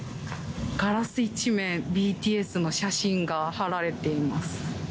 ガラス一面ＢＴＳの写真が貼られています。